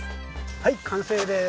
はい完成です。